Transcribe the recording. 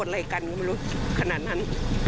แต่ไม่รู้โกรธอะไรกันไม่รู้ขนาดนั้น